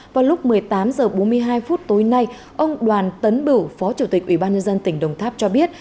vào lúc một mươi tám h bốn mươi hai phút tối nay ông đoàn tấn bửu phó chủ tịch ubnd tỉnh đồng tháp cho biết